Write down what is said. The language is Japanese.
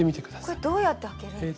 これどうやって開けるんですか？